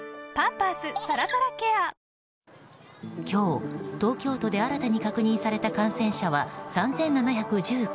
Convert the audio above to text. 今日、東京都で新たに確認された感染者は３７１９人。